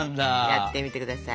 やってみてください！